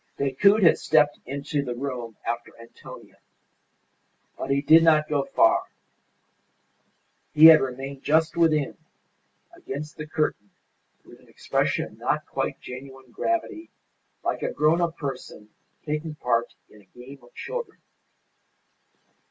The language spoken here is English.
Decoud had stepped into the room after Antonia. But he did not go far. He had remained just within, against the curtain, with an expression of not quite genuine gravity, like a grown up person taking part in a game of children.